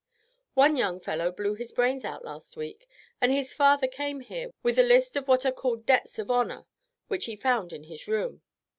"One young fellow blew his brains out last week, and his father came here with a list of what are called debts of honor, which he found in his room.